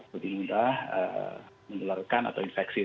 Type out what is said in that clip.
lebih mudah menularkan atau infeksi